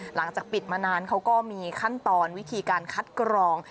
หลังจากปิดมานานเขาก็มีขั้นตอนวิธีการคัดกรอง